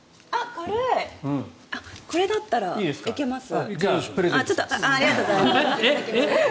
これだったらいけます。